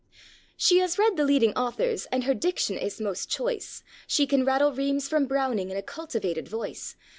ŌĆØ She has read the leading authors and her diction is most choice; She can rattle reams from Brown ing in a cultivated voice.